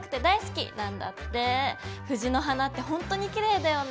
藤の花ってほんとにきれいだよね。